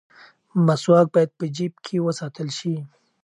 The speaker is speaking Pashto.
مسواک باید په جیب کې وساتل شي.